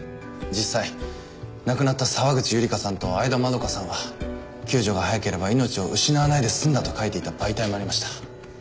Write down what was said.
実際亡くなった沢口百合香さんと相田まどかさんは救助が早ければ命を失わないで済んだと書いていた媒体もありました。